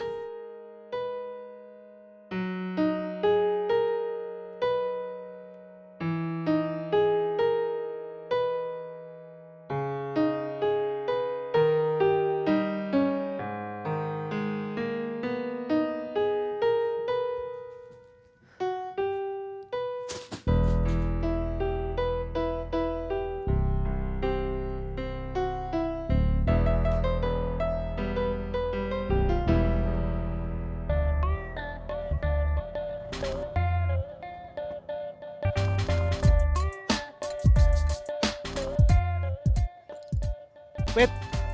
kita sudah disini sudah glass